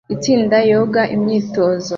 Itsinda yoga imyitozo